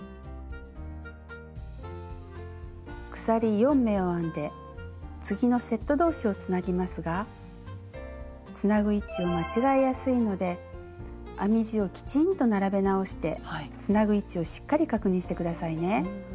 鎖４目を編んで次のセット同士をつなぎますがつなぐ位置を間違えやすいので編み地をきちんと並べ直してつなぐ位置をしっかり確認して下さいね。